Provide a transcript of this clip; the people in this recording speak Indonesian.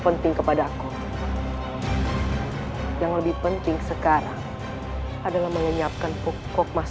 penting kepada aku yang lebih penting sekarang adalah menyiapkan pokok masyarakat